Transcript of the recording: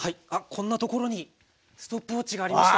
こんなところにストップウォッチがありました。